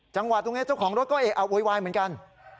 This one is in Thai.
จางวัดตรงนี่จะของรถก็อุ๋ยวายเหมือนกัน